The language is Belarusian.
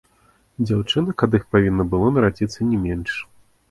Дзяўчынак ад іх павінна было нарадзіцца не менш.